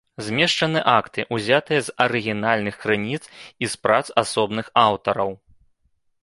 Змешчаны акты, ўзятыя з арыгінальных крыніц і з прац асобных аўтараў.